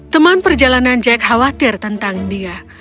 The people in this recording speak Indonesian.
teman perjalanan jack khawatir tentang dia